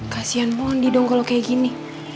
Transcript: kasian bondi dong kalau kayak gini